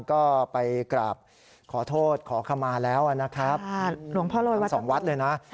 ก็ไปกราบขอโทษขอขมาแล้วนะครับทำสองวัดเลยนะ